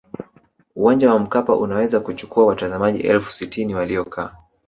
uwanja wa mkapa unaweza kuchukua watazamaji elfu sitini waliokaa